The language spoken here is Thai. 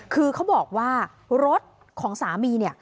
คือเขาบอกว่ารถของสามีเนี่ย